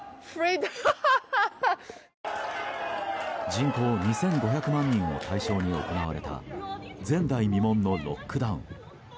人口２５００万人を対象に行われた前代未聞のロックダウン。